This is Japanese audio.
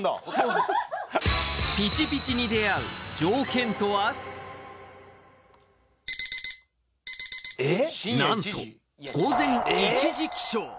ピチピチに出会う条件とは何と午前１時起床！